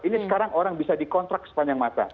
ini sekarang orang bisa dikontrak sepanjang masa